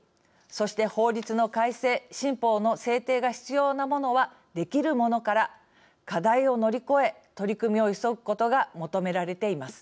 そして、法律の改正新法の制定が必要なものはできるものから課題を乗り越え取り組みを急ぐことが求められています。